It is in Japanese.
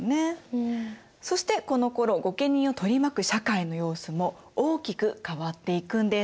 そしてこのころ御家人を取り巻く社会の様子も大きく変わっていくんです。